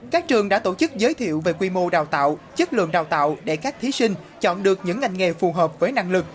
các trường đã tổ chức giới thiệu về quy mô đào tạo chất lượng đào tạo để các thí sinh chọn được những ngành nghề phù hợp với năng lực